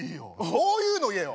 そういうの言えよ！